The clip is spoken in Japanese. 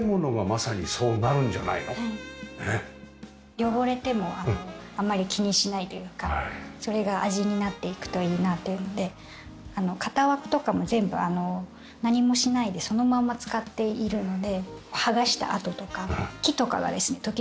汚れてもあんまり気にしないというかそれが味になっていくといいなというので型枠とかも全部何もしないでそのまんま使っているので剥がした痕とか木とかがですね時々まだ残って。